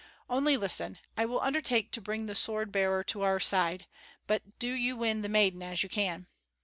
Only listen: I will undertake to bring the sword bearer to our side, but do you win the maiden as you can.